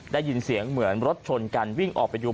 ได้ยินเสียงเหมือนรถชนกันวิ่งออกไปดู